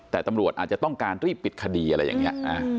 แต่ตำรวจอาจจะต้องการรีบปิดคดีอะไรอย่างนี้